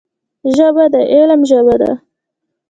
ژبه د علم ژبه ده